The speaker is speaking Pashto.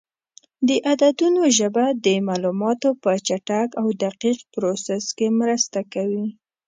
د عددونو ژبه د معلوماتو په چټک او دقیق پروسس کې مرسته کوي.